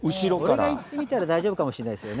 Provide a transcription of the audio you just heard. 俺が行ってみたら大丈夫かもしれないですよね。